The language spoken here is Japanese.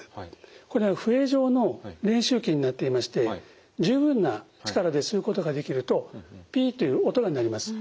これは笛状の練習器になっていまして十分な力で吸うことができるとピッという音が鳴ります。